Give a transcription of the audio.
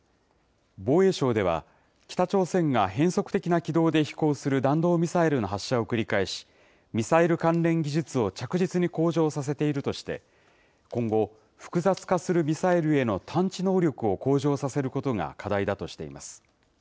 防衛省では北朝鮮が変則的な軌道で飛行する弾道ミサイルの発射を繰り返し、ミサイル関連技術を着実に向上させているとして、今後、複雑化するミサイルへの探知能力を向上させることが課題だとしています。